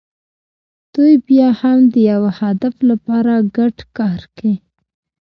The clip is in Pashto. دوی بیا هم د یوه هدف لپاره ګډ کار کوي.